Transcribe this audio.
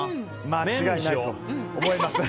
間違いないと思います。